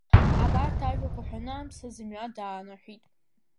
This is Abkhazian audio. Абарҭ ажәақәа ҳәаны, анԥса зымҩа даанаҳәит.